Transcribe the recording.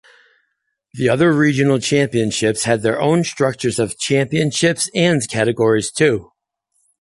The other regional championships had their own structures of championships and categories too.